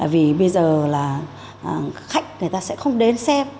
vì bây giờ là khách người ta sẽ không đến xem